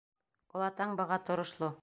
Олатаң быға торошло.